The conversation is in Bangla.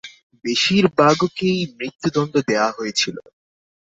বেশিরভাগকেই মৃত্যুদন্ড দেয়া হয়েছিল।